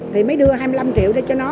thì mới đưa hai mươi năm triệu cho nó